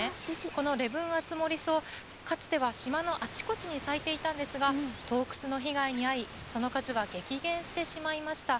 このレブンアツモリソウ、かつては島のあちこちに咲いていたんですが、盗掘の被害に遭い、その数は激減してしまいました。